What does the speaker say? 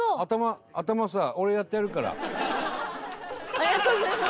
ありがとうございます。